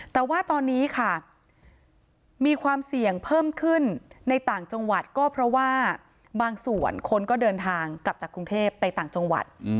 แต่ว่าตอนนี้ค่ะมีความเสี่ยงเพิ่มขึ้นในต่างจังหวัดก็เพราะว่าบางส่วนคนก็เดินทางกลับจากกรุงเทพไปต่างจังหวัด